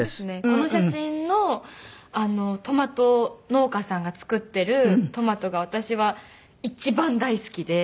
この写真のトマト農家さんが作ってるトマトが私は一番大好きで。